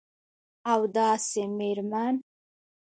او داسي میرمن